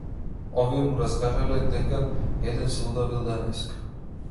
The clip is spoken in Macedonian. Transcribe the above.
Овие му раскажале дека еден се удавил денеска.